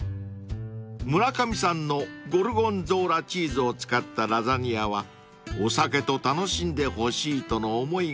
［村上さんのゴルゴンゾーラチーズを使ったラザニアはお酒と楽しんでほしいとの思いが込められた一品］